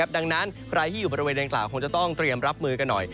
ดังนั้นใครที่อยู่บริเวณดังกล่าวคงจะต้องเตรียมรับมือกันหน่อย